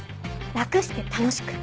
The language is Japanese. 楽して楽しく。